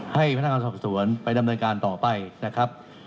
ให้พนักงานสอบสวนไปดำเนินการต่อไปนะครับ